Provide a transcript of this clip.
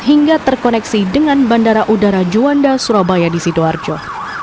hingga terkoneksi dengan bandara udara juanda surabaya di sidoarjo